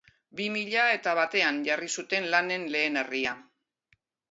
Bi mila eta batean jarri zuten lanen lehen harria.